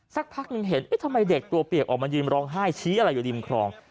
สักพักหนึ่งเห็นเอ๊ะทำไมเด็กตัวเปียกออกมายืนร้องไห้ชี้อะไรอยู่ริมคลอง